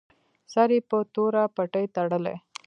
سر یې په توره پټۍ تړلی.